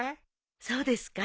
そうですか？